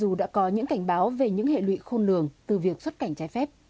dù đã có những cảnh báo về những hệ lụy khôn lường từ việc xuất cảnh trái phép